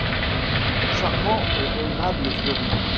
Charmant et aimable Fleury !